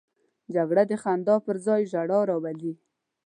جګړه د خندا پر ځای ژړا راولي